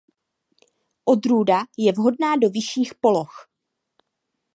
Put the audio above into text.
Odrůda je vhodná do vyšších poloh.